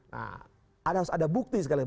nah harus ada bukti sekali